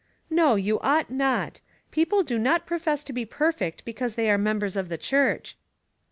" No, you ought not. People do not profess to be perfect because they are members of the church."